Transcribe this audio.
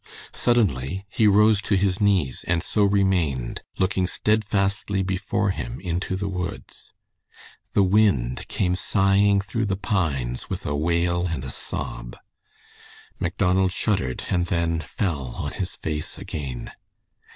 Suddenly he rose to his knees and so remained, looking steadfastly before him into the woods. The wind came sighing through the pines with a wail and a sob. Macdonald shuddered and then fell on his face again.